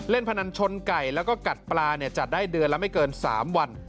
พนันชนไก่แล้วก็กัดปลาจัดได้เดือนละไม่เกิน๓วัน